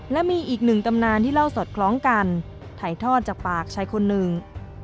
และมีอีกหนึ่งตำนานที่เล่าสอดคล้องกันถ่ายทอดจากปากชายคนหนึ่ง